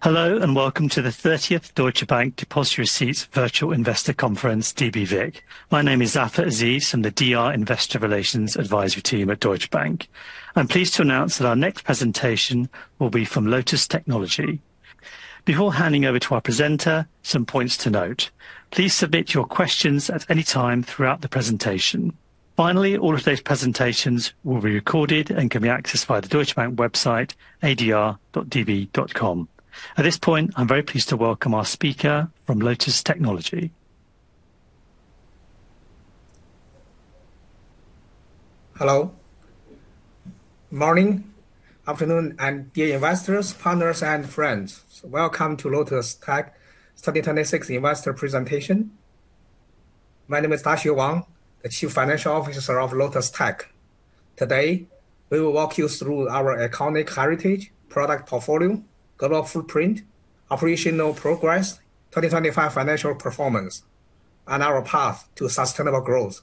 Hello, and welcome to the 30th Deutsche Bank depositary receipts virtual investor conference, DBVIC. My name is Zafar Aziz, from the DR Investor Relations Advisory Team at Deutsche Bank. I'm pleased to announce that our next presentation will be from Lotus Technology. Before handing over to our presenter, some points to note. Please submit your questions at any time throughout the presentation. All of today's presentations will be recorded and can be accessed via the Deutsche Bank website, adr.db.com. At this point, I'm very pleased to welcome our speaker from Lotus Technology. Hello. Morning, afternoon, and dear investors, partners, and friends. Welcome to Lotus Tech 2026 Investor Presentation. My name is Daxue Wang, the Chief Financial Officer of Lotus Tech. Today, we will walk you through our iconic heritage, product portfolio, global footprint, operational progress, 2025 financial performance, and our path to sustainable growth.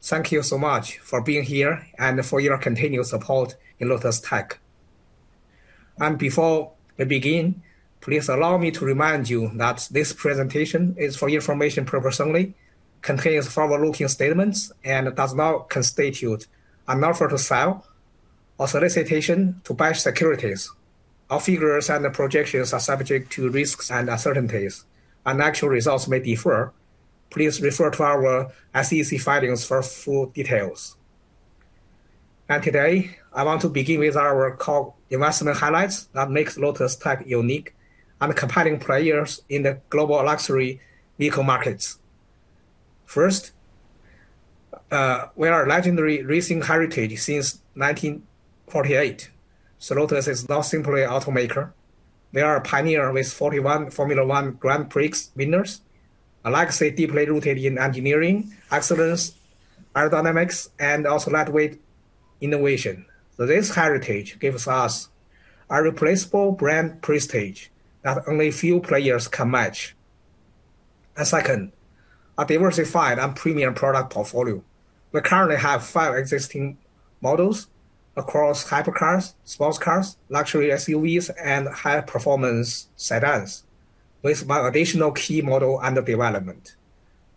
Thank you so much for being here and for your continued support in Lotus Tech. Before we begin, please allow me to remind you that this presentation is for information purpose only, contains forward-looking statements, and does not constitute an offer to sell or solicitation to buy securities. Our figures and the projections are subject to risks and uncertainties, and actual results may differ. Please refer to our SEC filings for full details. Today, I want to begin with our core investment highlights that makes Lotus Tech unique and compelling players in the global luxury vehicle markets. First, we are a legendary racing heritage since 1948. Lotus is not simply automaker. We are a pioneer with 41 Formula One Grand Prix winners, a legacy deeply rooted in engineering, excellence, aerodynamics, and also lightweight innovation. This heritage gives us irreplaceable brand prestige that only a few players can match. Second, a diversified and premium product portfolio. We currently have five existing models across hypercars, sports cars, luxury SUVs, and high-performance sedans, with one additional key model under development.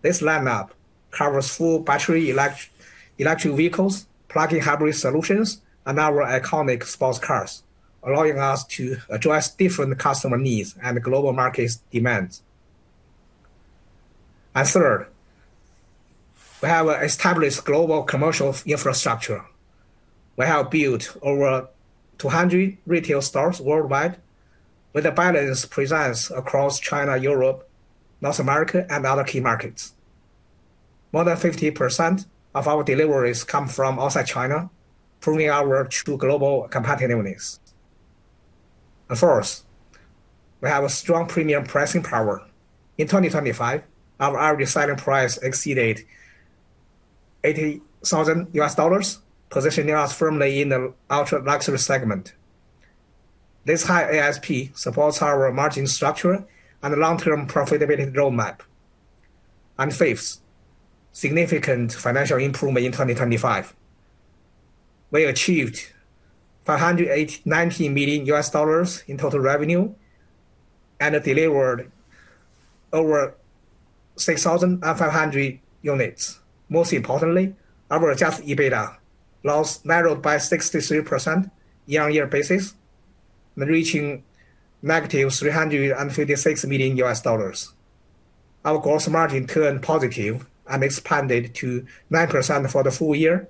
This lineup covers full battery electric vehicles, plug-in hybrid solutions, and our iconic sports cars, allowing us to address different customer needs and global markets demands. Third, we have established global commercial infrastructure. We have built over 200 retail stores worldwide with a balanced presence across China, Europe, North America, and other key markets. More than 50% of our deliveries come from outside China, proving our true global competitiveness. Fourth, we have a strong premium pricing power. In 2025, our average selling price exceeded $80,000, positioning us firmly in the ultra-luxury segment. This high ASP supports our margin structure and long-term profitability roadmap. Fifth, significant financial improvement in 2025. We achieved $589 million in total revenue and delivered over 6,500 units. Most importantly, our Adjusted EBITDA loss narrowed by 63% year-on-year basis, reaching -$356 million. Our gross margin turned positive and expanded to 9% for the full year,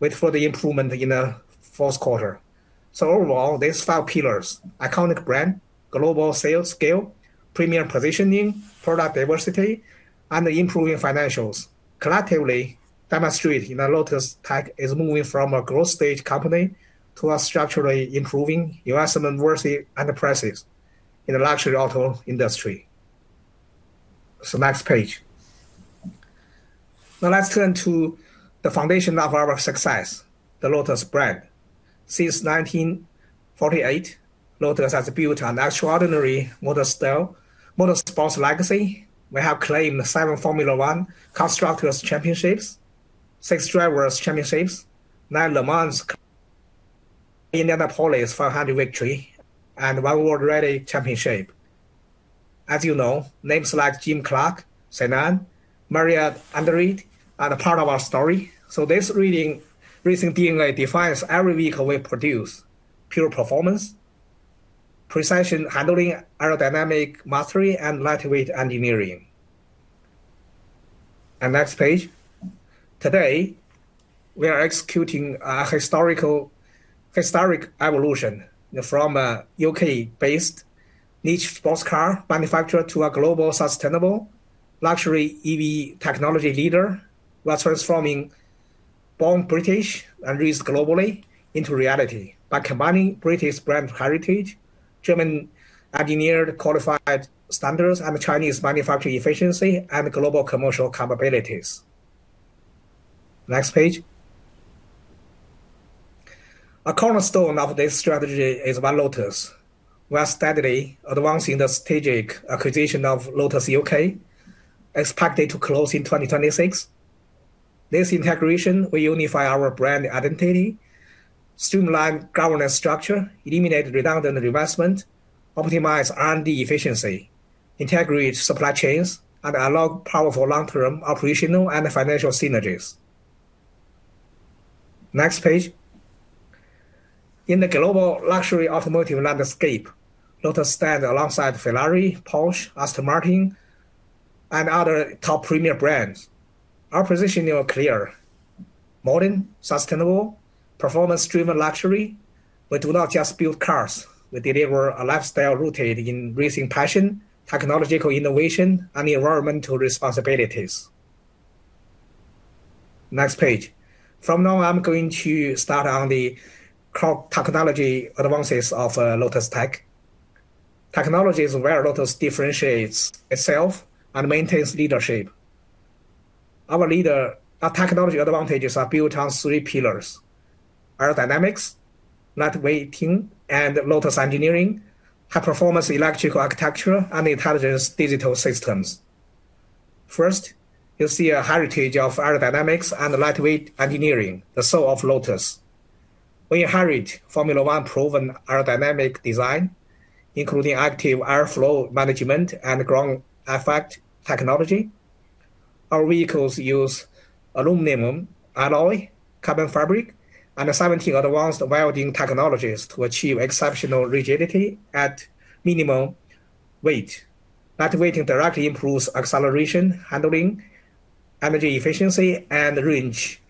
with further improvement in the fourth quarter. Overall, these five pillars: iconic brand, global sales scale, premium positioning, product diversity, and improving financials, collectively demonstrate that Lotus Tech is moving from a growth stage company to a structurally improving investment worthy enterprise in the luxury auto industry. Next page. Now let's turn to the foundation of our success, the Lotus brand. Since 1948, Lotus has built an extraordinary motorsports legacy. We have claimed seven Formula One Constructors' Championships, six Drivers' Championships, nine Le Mans, Indianapolis 500 victory, and one World Rally Championship. As you know, names like Jim Clark, Senna, Mario Andretti, are the part of our story. This redefining racing DNA defines every vehicle we produce: pure performance, precision handling, aerodynamic mastery, and lightweight engineering. Next page. Today, we are executing a historic evolution from a U.K.-based niche sports car manufacturer to a global sustainable luxury EV technology leader. We are transforming born British and raised globally into reality by combining British brand heritage, German engineered qualified standards, and Chinese manufacturing efficiency, and global commercial capabilities. Next page. A cornerstone of this strategy is by Lotus. We are steadily advancing the strategic acquisition of Lotus U.K., expected to close in 2026. This integration will unify our brand identity, streamline governance structure, eliminate redundant investment, optimize R&D efficiency, integrate supply chains, and unlock powerful long-term operational and financial synergies. Next page. In the global luxury automotive landscape, Lotus stand alongside Ferrari, Porsche, Aston Martin, and other top premier brands. Our positioning are clear, modern, sustainable, performance-driven luxury. We do not just build cars, we deliver a lifestyle rooted in racing passion, technological innovation, and environmental responsibilities. Next page. From now, I'm going to start on the core technology advances of Lotus Tech. Technology is where Lotus differentiates itself and maintains leadership. Our technology advantages are built on three pillars: aerodynamics, lightweighting, and Lotus Engineering, high-performance electrical architecture, and intelligent digital systems. First, you'll see a heritage of aerodynamics and lightweight engineering, the soul of Lotus. We inherit Formula One proven aerodynamic design, including active airflow management and ground effect technology. Our vehicles use aluminum alloy, carbon fabric, and 17 advanced welding technologies to achieve exceptional rigidity at minimum weight. Lightweight directly improves acceleration, handling, energy efficiency, and range.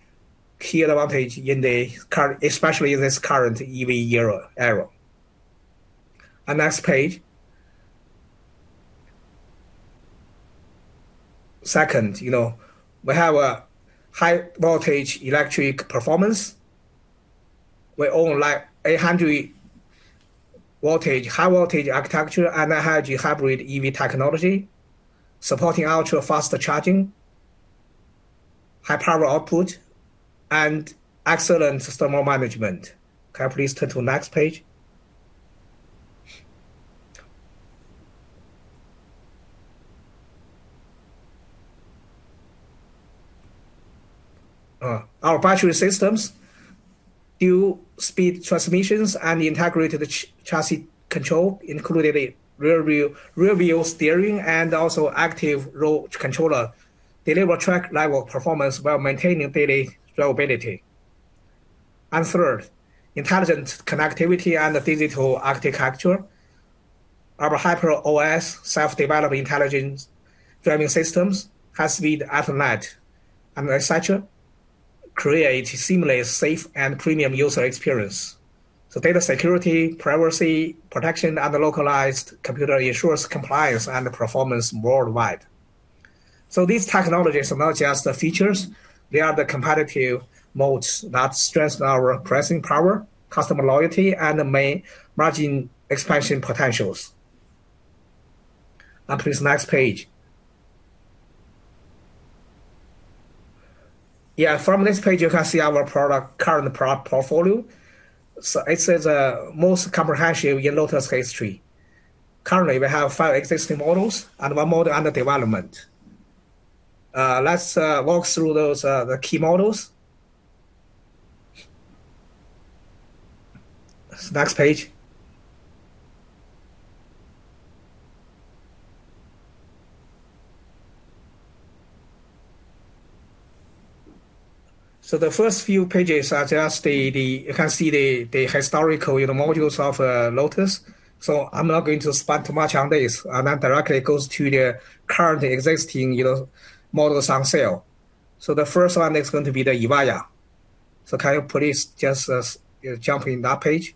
Key advantage in the current especially in this current EV era. Next page. Second, you know, we have a high voltage electric performance. We own, like, 800 voltage, high voltage architecture, and energy hybrid EV technology, supporting ultra-fast charging, high power output, and excellent thermal management. Can I please turn to next page? Our battery systems, dual speed transmissions, and integrated chassis control, including rear wheel, rear wheel steering and also active roll controller, deliver track-level performance while maintaining daily drivability. Third, intelligent connectivity and digital architecture. Our HyperOS, self-developed intelligence driving systems, high-speed Ethernet, and research create seamless, safe, and premium user experience. Data security, privacy protection, and localized computer ensures compliance and performance worldwide. These technologies are not just the features, they are the competitive moats that strengthen our pricing power, customer loyalty, and main margin expansion potentials. Please, next page. Yeah, from this page, you can see our product, current product portfolio. It is most comprehensive in Lotus history. Currently, we have five existing models and one model under development. Let's walk through those, the key models. Next page. The first few pages are just the historical, you know, models of Lotus. I'm not going to spend too much on this, and that directly goes to the currently existing, you know, models on sale. The first one is going to be the Evija. Can you please just jump in that page?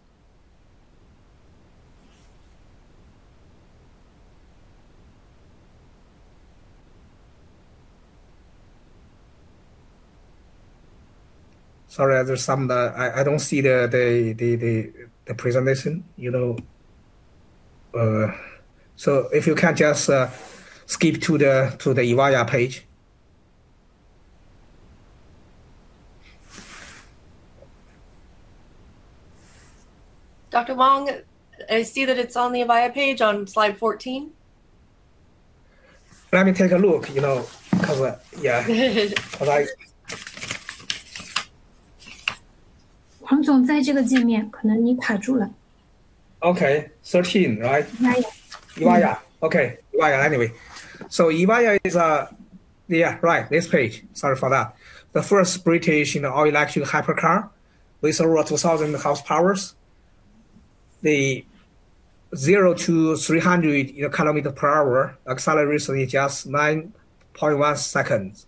Sorry, there's some. I don't see the presentation, you know. If you can just skip to the Evija page. Dr. Wang, I see that it's on the Evija page on slide 14. Let me take a look, you know. Cover. Yeah. All right. Wang Zong, Okay. 13, right? Evija. Evija. Okay. Evija. Anyway. Evija is. Yeah. Right. This page. Sorry for that. The first British, you know, all-electric hypercar with over 2,000 horsepower. The 0-300, you know, kilometers per hour accelerates in just 9.1 seconds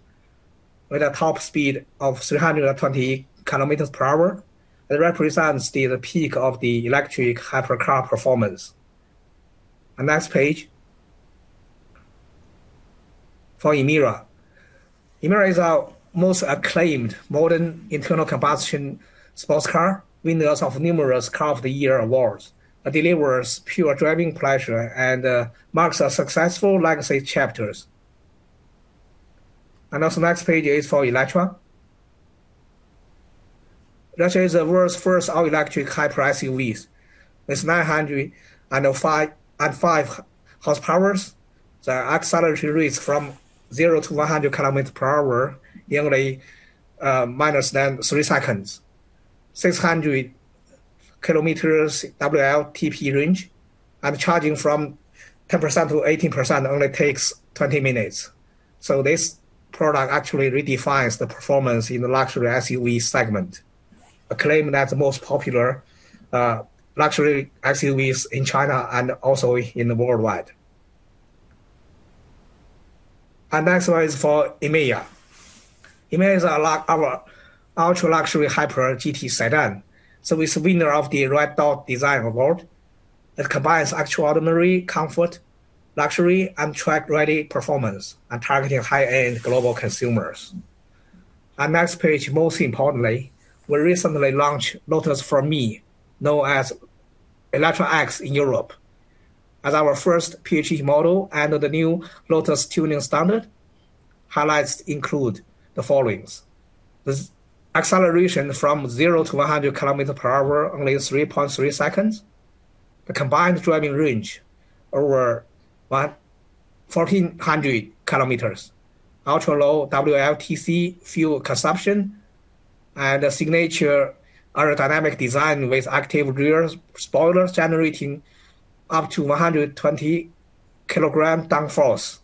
with a top speed of 320 km/h. It represents the peak of the electric hypercar performance. Next page. For Emira. Emira is our most acclaimed modern internal combustion sports car, winners of numerous Car of the Year awards. It delivers pure driving pleasure and marks a successful legacy of chapters. Also next page is for Eletre. That is the world's first all-electric hyper SUV. With 905 horsepower, the acceleration rates from 0-100 km/h only less than three seconds. 600 km WLTP range, charging from 10%-80% only takes 20 minutes. This product actually redefines the performance in the luxury SUV segment, acclaiming as the most popular luxury SUVs in China and also in worldwide. Next one is for Emeya. Emeya is our ultra-luxury hyper GT sedan. It's winner of the Red Dot Design Award. It combines extraordinary comfort, luxury, and track-ready performance, and targeting high-end global consumers. Next page, most importantly, we recently launched Lotus ForMe, known as Eletre X in Europe. As our first PHEV model under the new Lotus tuning standard, highlights include the followings. The acceleration from 0-100 km/h only is 3.3 seconds. The combined driving range over 1,400 km. Ultra-low WLTC fuel consumption, a signature aerodynamic design with active rear spoilers generating up to 120 kilogram downforce.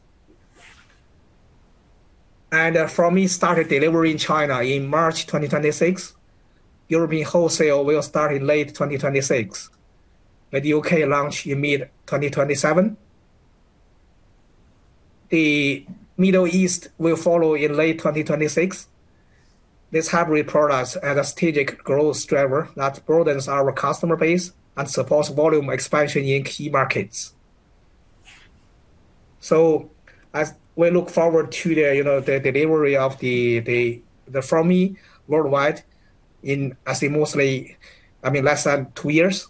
ForMe started delivery in China in March 2026. European wholesale will start in late 2026, with U.K. launch in mid-2027. The Middle East will follow in late 2026. These hybrid products are a strategic growth driver that broadens our customer base and supports volume expansion in key markets. As we look forward to the, you know, delivery of the ForMe worldwide in, I say mostly, I mean, less than two years.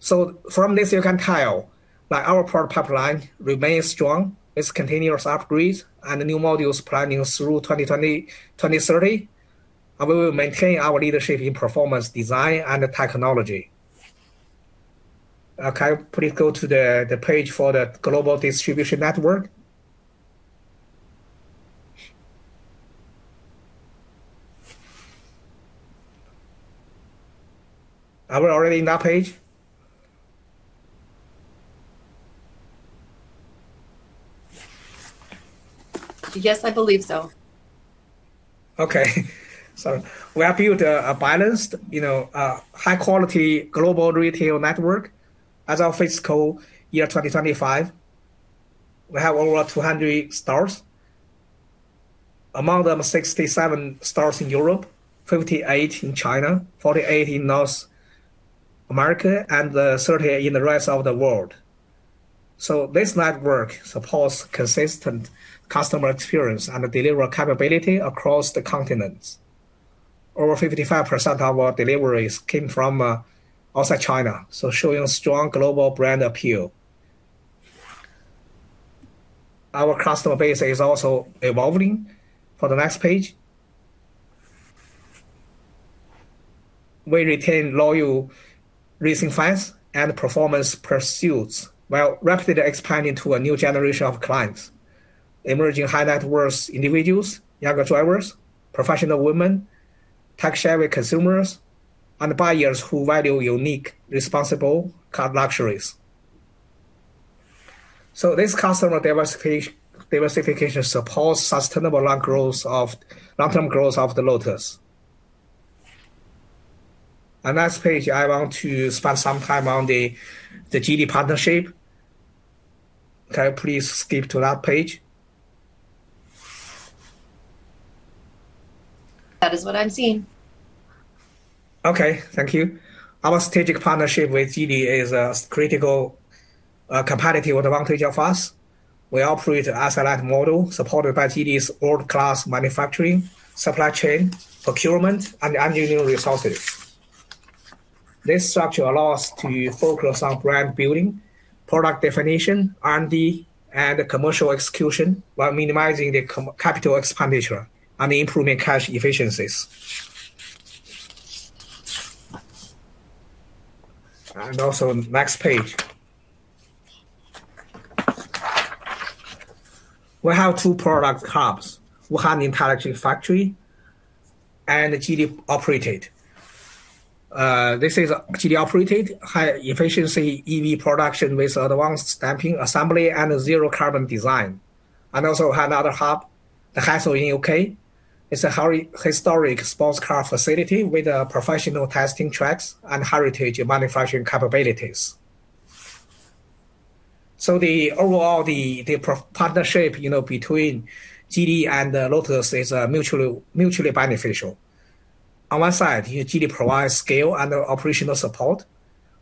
From this, you can tell that our product pipeline remains strong with continuous upgrades and new models planning through 2030, and we will maintain our leadership in performance design and technology. Can I please go to the page for the global distribution network? Are we already in that page? Yes, I believe so. Okay. We have built a balanced, you know, high quality global retail network. As of fiscal year 2025, we have over 200 stores. Among them, 67 stores in Europe, 58 in China, 48 in North America, and 38 in the rest of the world. This network supports consistent customer experience and delivery capability across the continents. Over 55% of our deliveries came from outside China, showing strong global brand appeal. Our customer base is also evolving. For the next page. We retain loyal racing fans and performance pursuits while rapidly expanding to a new generation of clients, emerging high net worth individuals, younger drivers, professional women, tech-savvy consumers, and buyers who value unique, responsible car luxuries. This customer diversification supports sustainable long-term growth of Lotus. Next page, I want to spend some time on the Geely partnership. Can I please skip to that page? That is what I'm seeing. Okay. Thank you. Our strategic partnership with Geely is a critical competitive advantage of us. We operate as a light model supported by Geely's world-class manufacturing, supply chain, procurement, and engineering resources. This structure allows us to focus on brand building, product definition, R&D, and commercial execution while minimizing the co-capital expenditure and improving cash efficiencies. Also next page. We have two product hubs. Wuhan Intelligent Factory and Geely Operated. This is Geely Operated high-efficiency EV production with advanced stamping, assembly, and zero carbon design. Also have another hub, the Hethel in U.K. It's a historic sports car facility with professional testing tracks and heritage in manufacturing capabilities. The overall partnership, you know, between Geely and Lotus is mutually beneficial. On one side, Geely provides scale and operational support.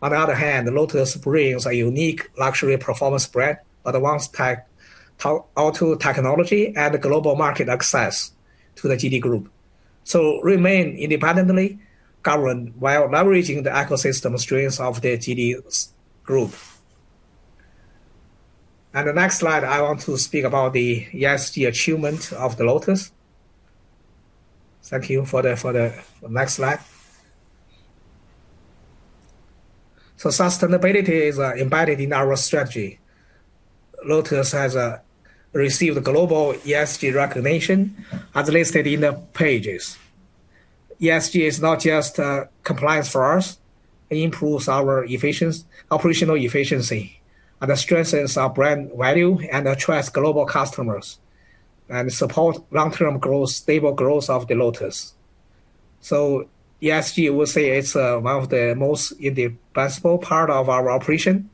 On the other hand, Lotus brings a unique luxury performance brand, advanced auto technology, and global market access to the Geely Group. Remain independently governed while leveraging the ecosystem strengths of the Geely Group. The next slide, I want to speak about the ESG achievement of Lotus. Thank you for the next slide. Sustainability is embedded in our strategy. Lotus has received global ESG recognition as listed in the pages. ESG is not just compliance for us, it improves our operational efficiency, strengthens our brand value, attracts global customers, and support long-term growth, stable growth of Lotus. ESG will say it's one of the most indispensable part of our operation.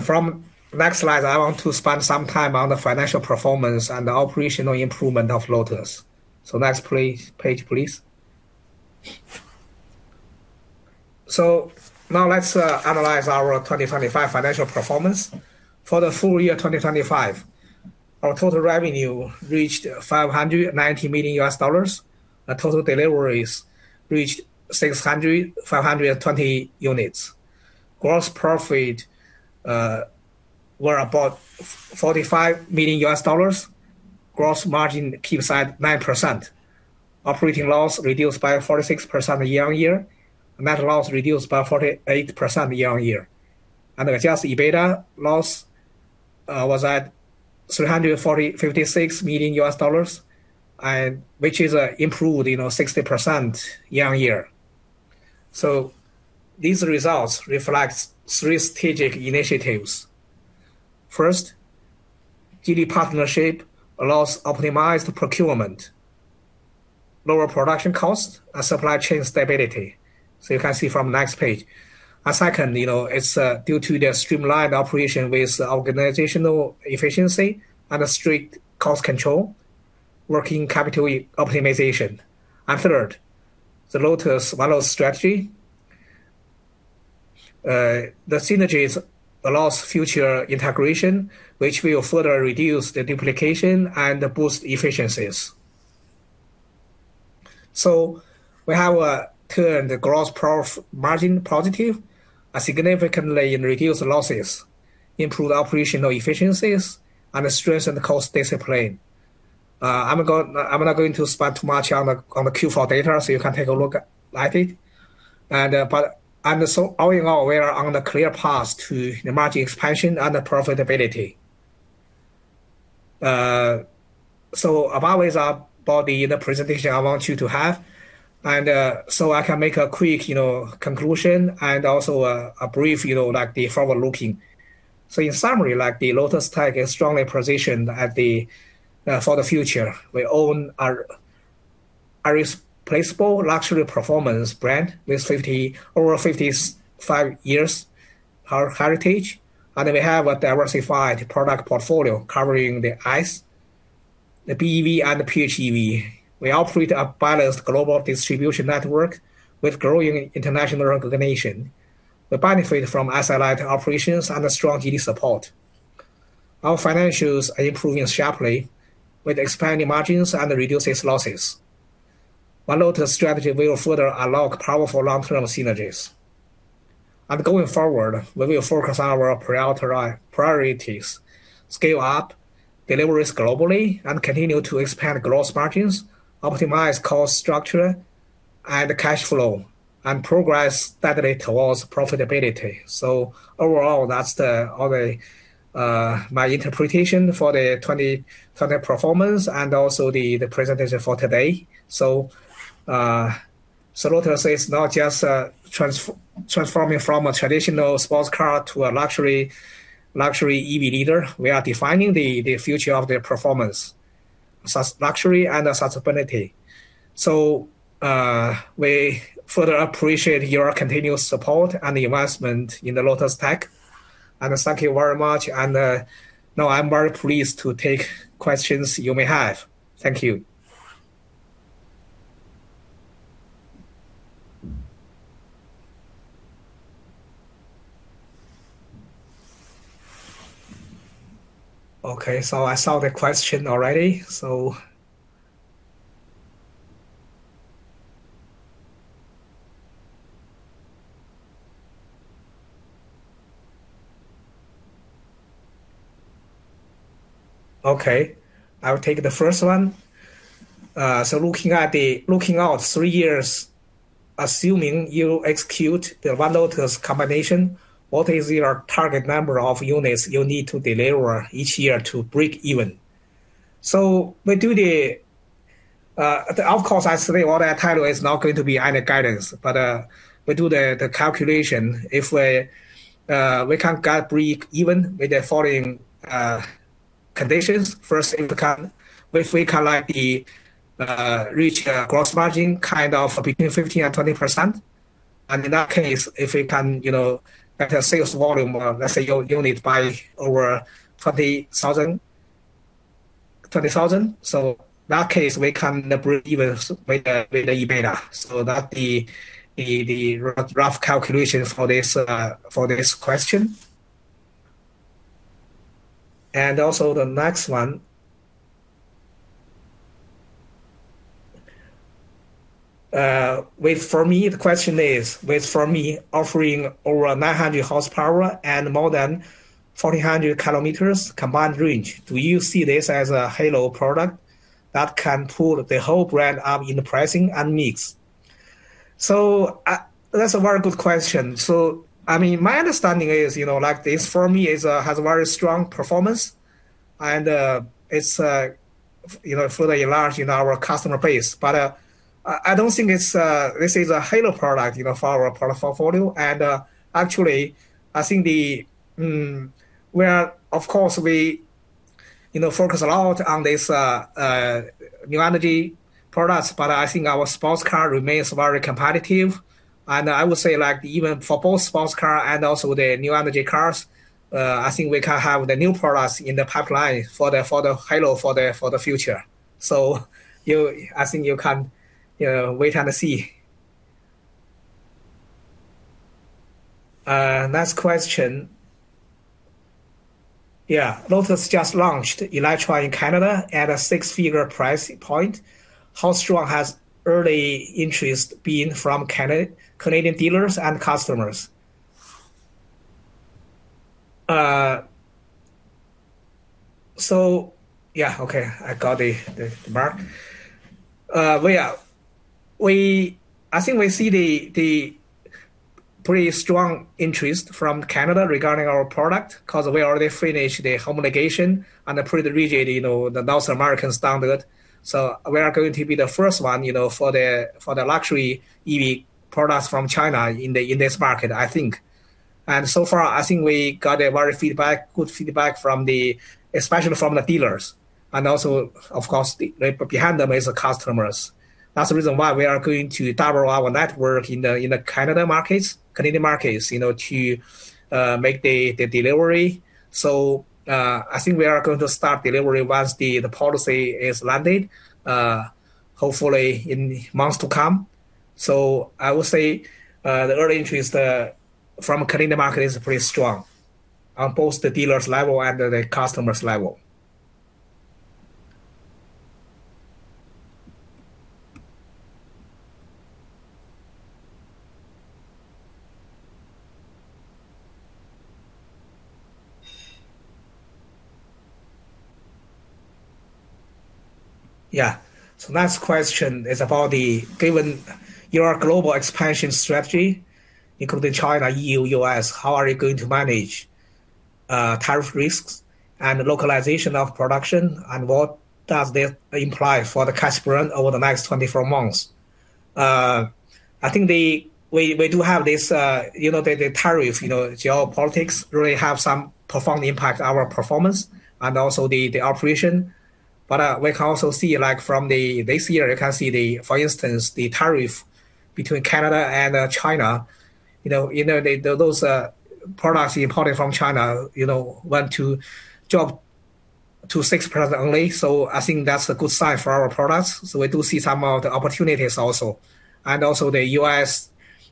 From next slide, I want to spend some time on the financial performance and the operational improvement of Lotus. Next page, please. Now let's analyze our 2025 financial performance. For the full year 2025, our total revenue reached $590 million. Our total deliveries reached 520 units. Gross profit were about $45 million. Gross margin keeps at 9%. Operating loss reduced by 46% year-on-year. Net loss reduced by 48% year-on-year. Adjusted EBITDA loss was at $340... $56 million, and which is, improved, you know, 60% year-on-year. These results reflects three strategic initiatives. First, Geely partnership allows optimized procurement, lower production cost, and supply chain stability. You can see from next page. Second, you know, it's due to the streamlined operation with organizational efficiency and a strict cost control, working capital optimization. Third, the Lotus value strategy, the synergies allows future integration, which will further reduce the duplication and boost efficiencies. We have turned the gross margin positive, significantly reduced losses, improved operational efficiencies, and strengthened cost discipline. I'm not going to spend too much on the, on the Q4 data, you can take a look at it. All in all, we are on the clear path to margin expansion and profitability. About this, about the presentation I want you to have, and so I can make a quick, you know, conclusion and also a brief, you know, like the forward-looking. In summary, like the Lotus Tech is strongly positioned at the for the future. We own our irreplaceable luxury performance brand with over 55 years heritage, and we have a diversified product portfolio covering the ICE, the BEV, and the PHEV. We operate a balanced global distribution network with growing international recognition. We benefit from isolated operations and strong GD support. Our financials are improving sharply with expanding margins and reduced losses. While Lotus strategy will further unlock powerful long-term synergies. Going forward, we will focus on our priorities, scale up deliveries globally, and continue to expand gross margins, optimize cost structure and cash flow, and progress steadily towards profitability. Overall, that's the my interpretation for the 2020 performance and also the presentation for today. Lotus is not just transforming from a traditional sports car to a luxury EV leader. We are defining the future of the performance, luxury, and sustainability. We further appreciate your continuous support and investment in the Lotus Tech. Thank you very much and now I'm very pleased to take questions you may have. Thank you. I saw the question already. I'll take the first one. Looking out three years, assuming you execute the one Lotus combination, what is your target number of units you need to deliver each year to break even? We do the, of course, I say all the time is not going to be any guidance, but we do the calculation. If we can break even with the following conditions. First, if we can, if we can, like, reach a gross margin kind of between 15%-20%. In that case, if we can, you know, get a sales volume of, let's say unit by over 30,000. In that case, we can break even with the EBITDA. That the rough calculation for this question. The next one, with For Me, the question is, with For Me offering over 900 horsepower and more than 4,000 km combined range, do you see this as a halo product that can pull the whole brand up in the pricing and mix? That's a very good question. I mean, my understanding is, you know, like this For Me is has a very strong performance and it's, you know, fully enlarged in our customer base. I don't think it's this is a halo product, you know, for our product portfolio. Actually I think the we are, of course, we, you know, focus a lot on this new energy products, but I think our sports car remains very competitive. I would say like even for both sports car and also the new energy cars, I think we can have the new products in the pipeline for the, for the halo, for the, for the future. I think you can, you know, wait and see. Next question. Yeah. Lotus just launched Eletre in Canada at a six-figure price point. How strong has early interest been from Canadian dealers and customers? Yeah, okay, I got the mark. I think we see the pretty strong interest from Canada regarding our product 'cause we already finished the homologation and approved originally, you know, the North American standard. We are going to be the first one, you know, for the, for the luxury EV products from China in the, in this market, I think. I think we got good feedback from the, especially from the dealers. Of course, right behind them is the customers. That's the reason why we are going to double our network in the Canadian markets, you know, to make the delivery. I think we are going to start delivery once the policy is landed, hopefully in months to come. I would say the early interest from Canadian market is pretty strong on both the dealers level and the customers level. Yeah. Next question is about given your global expansion strategy, including China, E.U., U.S., how are you going to manage tariff risks and localization of production, and what does this imply for the cash burn over the next 24 months? I think we do have this, you know, the tariff, you know, geopolitics really have some profound impact on our performance and also the operation. We can also see like from this year you can see, for instance, the tariff between Canada and China, you know, those products imported from China, you know, went to drop to 6% only. I think that's a good sign for our products. We do see some of the opportunities also. Also the U.S.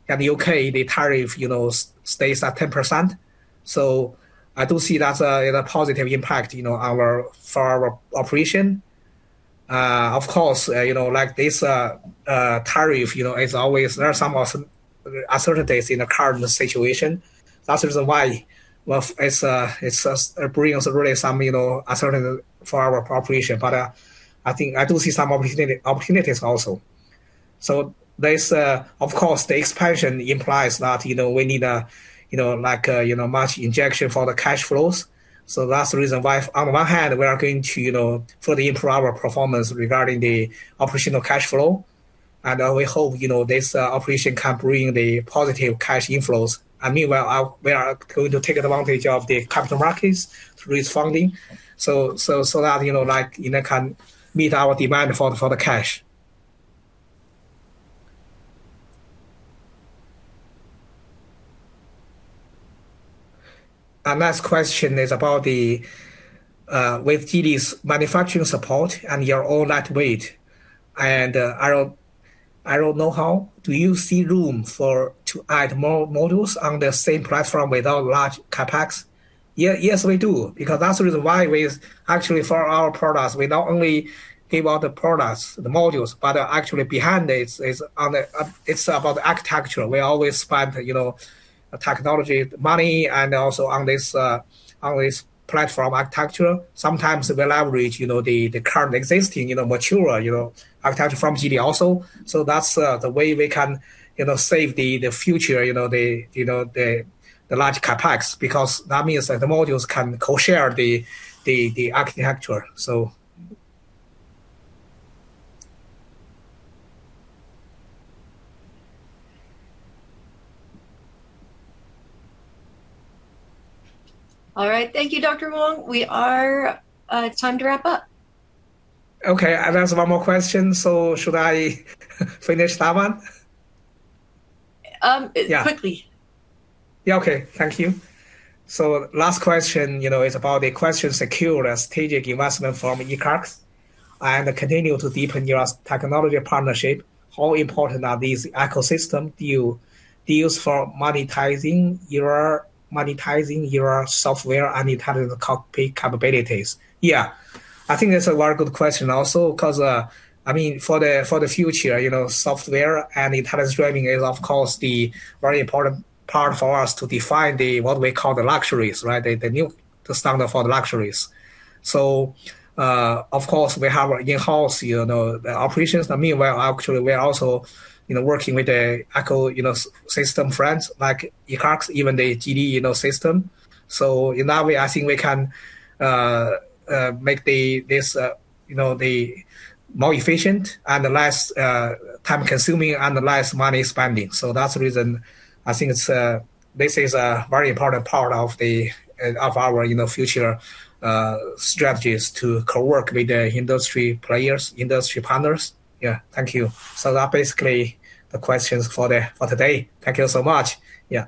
and the U.K., the tariff, you know, stays at 10%. I do see that's a positive impact, you know, for our operation. Of course, you know, like this tariff, you know, is always, there are some uncertainties in the current situation. That's the reason why, well, it brings really some, you know, uncertainty for our operation. I think I do see some opportunities also. This, of course, the expansion implies that, you know, we need a, like a, you know, much injection for the cash flows. That's the reason why on one hand, we are going to, you know, further improve our performance regarding the operational cash flow. We hope, you know, this operation can bring the positive cash inflows. Meanwhile, we are going to take advantage of the capital markets to raise funding so that, you know, like, you know, can meet our demand for the cash. Last question is about the with GD's manufacturing support and your all light weight, do you see room for to add more modules on the same platform without large CapEx? Yes, we do. That's the reason why we actually for our products, we not only give out the products, the modules, but actually behind it is on the it's about the architecture. We always spend, you know, technology money and also on this on this platform architecture. Sometimes we leverage, you know, the current existing, you know, mature, you know, architecture from GD also. That's the way we can, you know, save the future, you know, the, you know, the large CapEx, because that means that the modules can co-share the architecture. All right. Thank you, Dr. Wang. We are time to wrap up. Okay. I have one more question, should I finish that one? Quickly. Yeah. Okay. Thank you. Last question, you know, is about the question secure strategic investment from ECARX and continue to deepen your technology partnership. How important are these ecosystem deals for monetizing your software and intelligent capabilities? Yeah. I think that's a very good question also 'cause for the future, you know, software and intelligent driving is, of course, the very important part for us to define the, what we call the luxuries, right? The new standard for the luxuries. Of course, we have in-house, you know, operations. That mean we're actually, we are also, you know, working with the eco, you know, system friends like ECARX, even the Geely, you know, system. In that way, I think we can make the, this, you know, the more efficient and less time-consuming and less money spending. That's the reason I think it's, this is a very important part of the, of our, you know, future, strategies to co-work with the industry players, industry partners. Yeah. Thank you. That basically the questions for the, for today. Thank you so much. Yeah.